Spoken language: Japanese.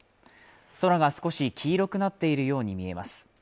空が少し黄色くなっているように見えます。